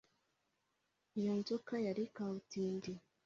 iyo nzoka yari kabutindi